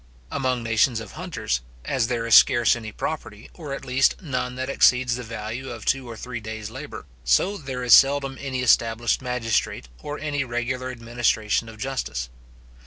Among nations of hunters, as there is scarce any property, or at least none that exceeds the value of two or three days labour; so there is seldom any established magistrate, or any regular administration of justice.